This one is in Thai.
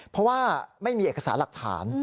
เพราะว่าไม่มีเอกสารหลักฐาน